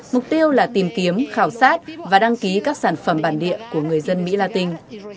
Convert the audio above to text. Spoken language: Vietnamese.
mục tiêu là tìm kiếm khảo sát và đăng ký các sản phẩm bản địa của người dân mỹ la tinh